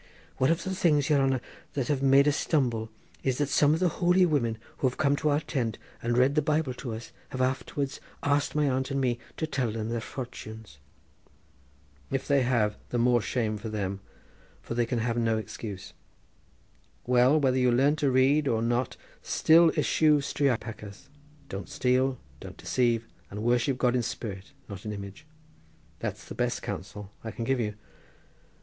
"One of the things, yere hanner, that have made us stumble is that some of the holy women, who have come to our tent and read the Bible to us, have afterwards asked my aunt and me to tell them their fortunes." "If they have the more shame for them, for they can have no excuse. Well, whether you learn to read or not still eschew striopachas, don't steal, don't deceive, and worship God in spirit, not in image. That's the best counsel I can give you."